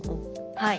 はい。